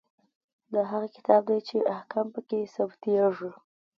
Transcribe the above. دا هغه کتاب دی چې احکام پکې ثبتیږي.